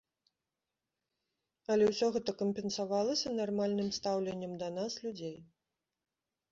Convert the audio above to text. Але ўсё гэта кампенсавалася нармальным стаўленнем да нас людзей.